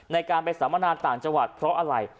ในการไปสัมมนาต่างจังหวัดเพราะอะไร